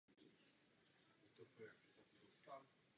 Povinnosti obchodníků by měly být omezeny na konkrétní kontroly.